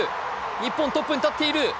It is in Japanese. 日本、トップに立っている。